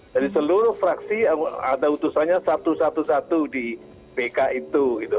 jadi seluruh fraksi ada utusannya satu satu satu di pk itu